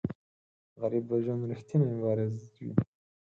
غریب د ژوند ریښتینی مبارز وي